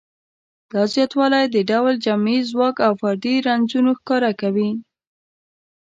دا زیاتوالی د ډول جمعي ځواک او فردي رنځونه ښکاره کوي.